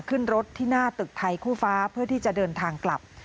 ขึ้นรถที่หน้าตึกไทยคู่ฟ้าเพื่อที่จะเดินทางกลับ